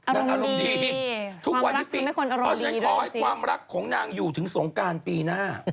นางอารมณ์ดีทุกวันนี้ปีอย่าขอให้ความรักของนางอยู่ถึงโสงการปีหน้า